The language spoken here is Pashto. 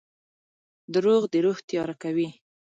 • دروغ د روح تیاره کوي.